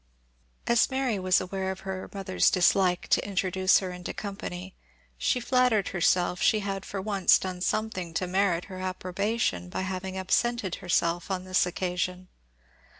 As Mary was aware of her mother's dislike to introduce her into company, she flattered herself she had for once done something to merit her approbation by having absented herself on this occasion.